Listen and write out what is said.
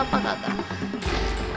kamu jangan dengarkan kera kecil itu kakak